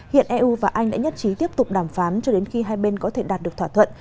hiện eu và anh đã nhất trí tiếp tục đàm phán cho đến khi hai bên có thể đạt được thỏa thuận